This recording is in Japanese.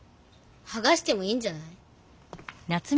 はがしてもいいんじゃない？